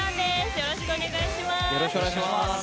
よろしくお願いします。